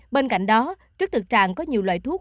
bên cạnh đó trước thực trạng có nhiều loại thuốc